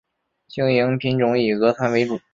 经营品种以俄餐为主。